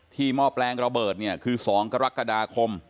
หม้อแปลงระเบิดเนี่ยคือ๒กรกฎาคม